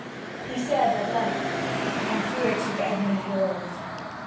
He said at length, 'I fear 'tis Edmond Willowes.'